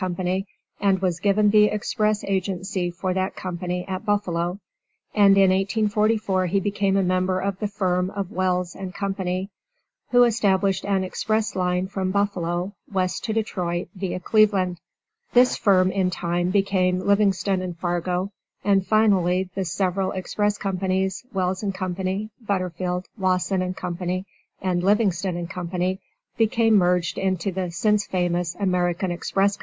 and was given the express agency for that company at Buffalo, and in 1844 he became a member of the firm of Wells & Co., who established an express line from Buffalo, west to Detroit, via Cleveland. This firm, in time, became Livingston & Fargo, and finally the several express companies: Wells & Co., Butterfield, Wasson & Co. and Livingston & Co., became merged into the since famous American Express Co.